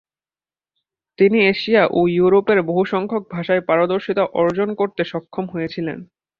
তিনি এশিয়া ও ইয়োরোপের বহুসংখ্যক ভাষায় পারদর্শিতা অর্জ্জন করতে সক্ষম হয়েছিলেন।